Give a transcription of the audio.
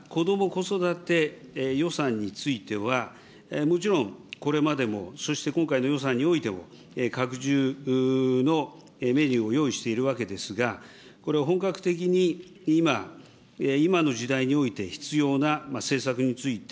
子育て予算については、もちろんこれまでもそして今回の予算においても、拡充のメニューを用意しているわけですが、これを本格的に今、今の時代において必要な政策について、